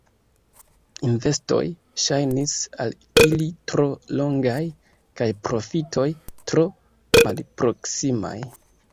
Investoj ŝajnis al ili tro longaj kaj profitoj tro malproksimaj.